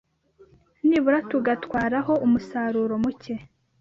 nibura tugatwaraho umusaruro muke